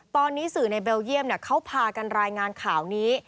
ตอนนี้สื่อในเบลเยี่ยมเขาพากันรายงานข่าวนี้